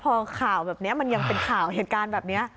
พอข่าวแบบนี้มันยังเป็นข่าวเหตุการณ์แบบนี้